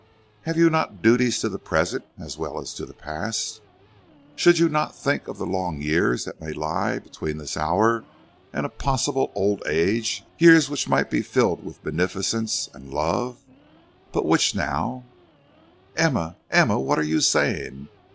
Have you not duties to the present, as well as to the past? Should you not think of the long years that may lie between this hour and a possible old age, years which might be filled with beneficence and love, but which now " "Emma, Emma, what are you saying?